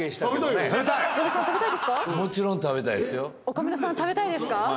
岡村さん食べたいですか？